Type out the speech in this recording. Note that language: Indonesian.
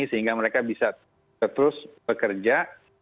sehingga mereka bisa terus bekerja